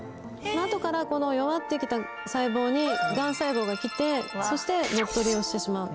後から弱って来た細胞にガン細胞が来てそして乗っ取りをしてしまう。